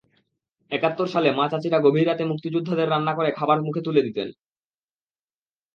একাত্তর সালে মা-চাচিরা গভীর রাতে মুক্তিযোদ্ধাদের রান্না করে খাবার মুখে তুলে দিতেন।